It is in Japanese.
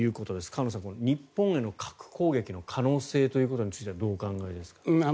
河野さん、日本への核攻撃の可能性ということについてはどうお考えですか？